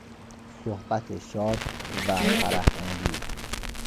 صحبت شاد و فرحانگیز